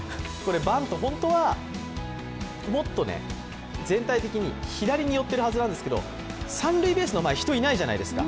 バント、本当はもっと全体的に左に寄っているはずなんですけど、三塁ベースの前、人がいないじゃないですか。